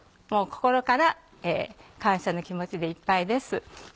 心から感謝の気持ちでいっぱいです。